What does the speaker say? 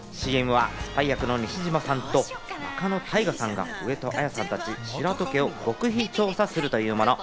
ＣＭはスパイ役の西島さんと仲野太賀さんが上戸彩さんたち、白戸家を極秘調査するというもの。